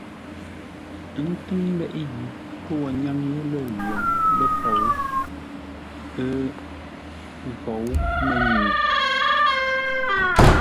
Ə́ ntʉ́ŋ leʼé yi pə́ wo nyáŋ yé lə̂ lwoŋ ləfou ə́ ngə́u mənye.